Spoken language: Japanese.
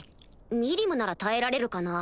ミリムなら耐えられるかな？